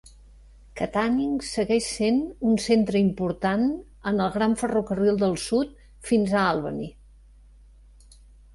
Katanning segueix sent un centre important en el Gran Ferrocarril del Sud fins a Albany.